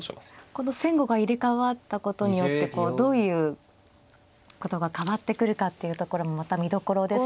この先後が入れ代わったことによってどういうことが変わってくるかっていうところもまた見どころですね。